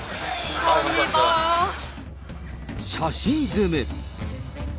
写真攻め。